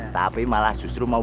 tapi malah justru mau bantu ya